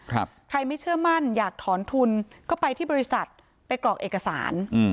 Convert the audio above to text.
ใครไม่เชื่อมั่นอยากถอนทุนก็ไปที่บริษัทไปกรอกเอกสารอืม